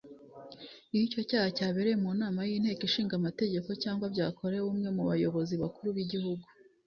Iyo icyo cyaha cyabereye mu nama y’Inteko Ishinga Amategeko cyangwa byakorewe umwe mu bayobozi bakuru b’Igihugu